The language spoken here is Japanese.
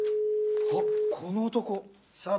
あっこの男。